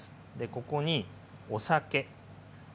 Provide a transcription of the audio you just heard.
ここにお酒。